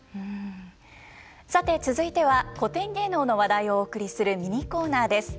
さて続いては古典芸能の話題をお送りするミニコーナーです。